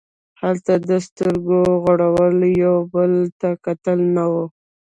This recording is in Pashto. هلته د سترګو غړول او یو بل ته کتل نه وو.